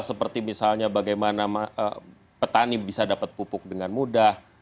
seperti misalnya bagaimana petani bisa dapat pupuk dengan mudah